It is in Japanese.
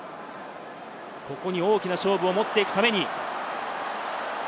ここに大きな勝負を持っていくために。